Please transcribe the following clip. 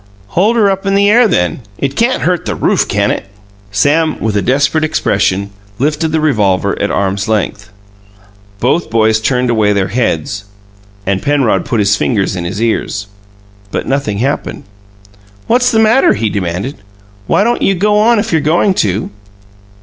"Hold her up in the air, then. It can't hurt the roof, can it?" Sam, with a desperate expression, lifted the revolver at arm's length. Both boys turned away their heads, and Penrod put his fingers in his ears but nothing happened. "What's the matter?" he demanded. "Why don't you go on if you're goin' to?"